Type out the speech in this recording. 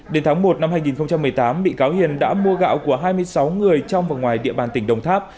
đến tháng một năm hai nghìn một mươi tám bị cáo hiền đã mua gạo của hai mươi sáu người trong và ngoài địa bàn tỉnh đồng tháp